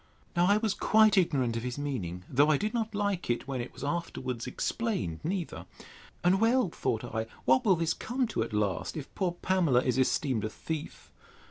Now I was quite ignorant of his meaning; though I did not like it, when it was afterwards explained, neither: And well, thought I, what will this come to at last, if poor Pamela is esteemed a thief!